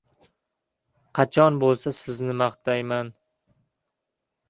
Qachon bo‘lsa, sizni maqtayman.